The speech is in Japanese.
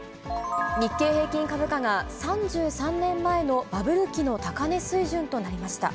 日経平均株価が３３年前のバブル期の高値水準となりました。